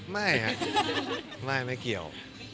ไม่ครับไม่เกี่ยว